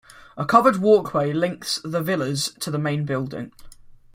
A covered walkway links the Villas to the main building.